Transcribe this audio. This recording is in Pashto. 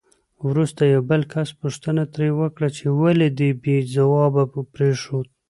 وروسته یو بل کس پوښتنه ترې وکړه چې ولې دې بې ځوابه پرېښود؟